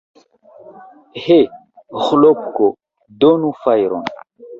He, Ĥlopko, donu fajron!